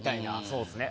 そうですね。